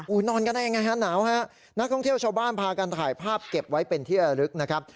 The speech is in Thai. นอนกันได้ยังไงฮะหนาวฮะนักท่องเที่ยวชาวบ้านพากันถ่ายภาพเก็บไว้เป็นที่ระลึกนะครับ